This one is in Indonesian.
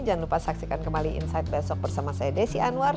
jangan lupa saksikan kembali insight besok bersama saya desi anwar